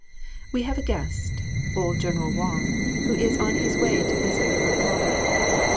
We have a guest, old General Wang, who is on his way to visit with my father.